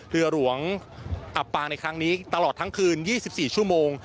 เรือหลวงอับปางในครั้งนี้ตลอดทั้งคืน๒๔ชั่วโมง